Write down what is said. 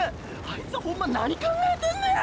あいつホンマ何考えてんのや！！